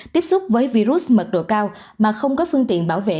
tiếp xúc với virus mật độ cao mà không có phương tiện bảo vệ